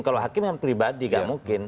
kalau hakim yang pribadi gak mungkin